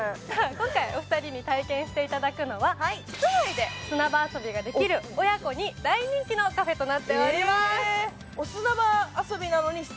今回お二人に体験していただくのは室内で砂場遊びができる親子に大人気のカフェとなっておりますそうなんですよ